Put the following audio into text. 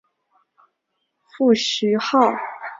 父徐灏。